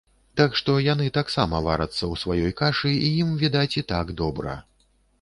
Так што, яны таксама варацца ў сваёй кашы і ім, відаць, і так добра.